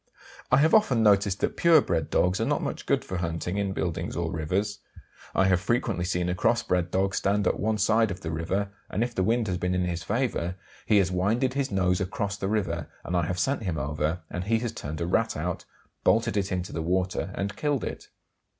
I have often noticed that pure bred dogs are not much good for hunting in buildings or rivers. I have frequently seen a cross bred dog stand at one side of the river, and if the wind has been in his favour he has winded his nose across the river, and I have sent him over and he has turned a Rat out, bolted it into the water, and killed it.